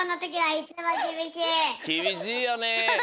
きびしいよね。